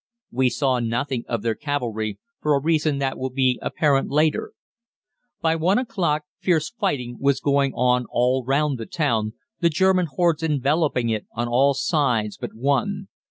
We saw nothing of their cavalry, for a reason that will be apparent later. By one o'clock fierce fighting was going on all round the town, the German hordes enveloping it on all sides but one.